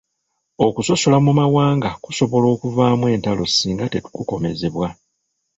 Okusosola mu mawanga kusobola okuvaamu entalo singa tekukomezebwa.